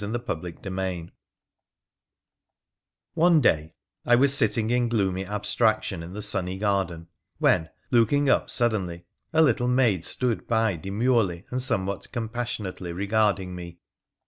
CHAPTER IV One day I was sitting in gloomy abstraction in the sunny garden, when, looking up suddenly, a little maid stood by demurely and somewhat compassionately regarding me.